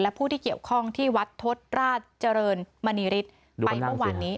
และผู้ที่เกี่ยวข้องที่วัดทศราชเจริญมณีฤทธิ์ไปเมื่อวานนี้